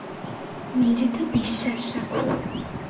নিজেতে বিশ্বাস রাখো।